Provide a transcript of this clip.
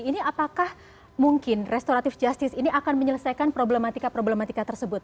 ini apakah mungkin restoratif justice ini akan menyelesaikan problematika problematika tersebut